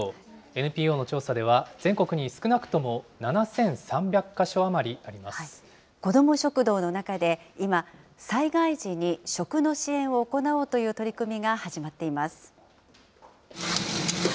ＮＰＯの調査では全国に少なくと子ども食堂の中で今、災害時に食の支援を行おうという取り組みが始まっています。